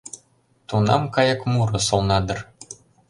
Тунам кайык муро солна дыр